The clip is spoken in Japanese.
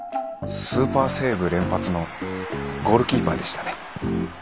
スーパーセーブ連発のゴールキーパーでしたね。